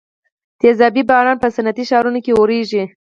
تیزابي باران په صنعتي ښارونو کې اوریږي.